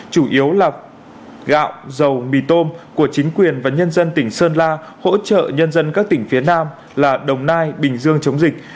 chủ yếu là gạo dầu mì tôm của chính quyền và nhân dân tỉnh sơn la hỗ trợ nhân dân các tỉnh phía nam là đồng nai bình dương chống dịch